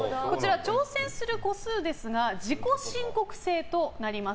挑戦する個数ですが自己申告制となります。